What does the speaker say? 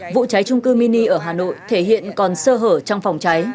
vụ cháy trung cư mini ở hà nội thể hiện còn sơ hở trong phòng cháy